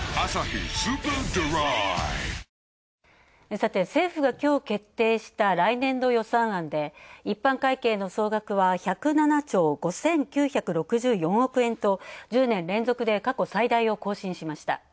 さて、政府が、きょう決定した来年度予算案で一般会計の総額は１０７兆５９６４億円と１０年連続で過去最大を更新しました。